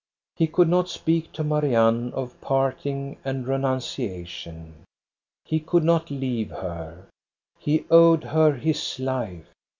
He could not speak to Marianne of parting and renunciation. He could not leave her — he owed her his life.